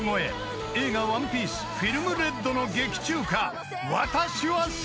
［映画『ＯＮＥＰＩＥＣＥＦＩＬＭＲＥＤ』の劇中歌］